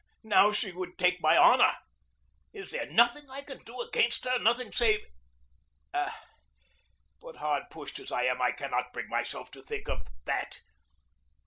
Now she would take my honor. Is there nothing I can do against her, nothing save Ah, but, hard pushed as I am, I cannot bring myself to think of that!